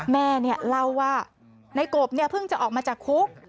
แม่เล่าว่าในกบเพิ่งจะออกมาจากคุก